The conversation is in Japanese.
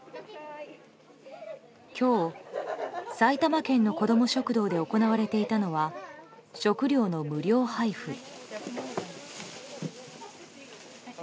今日、埼玉県のこども食堂で行われていたのは食料の無料配布。